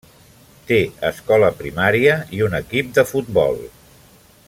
Té escola primària i un equip de futbol.